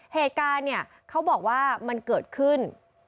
เหตุการณ์เนี่ยเขาบอกว่ามันเกิดขึ้น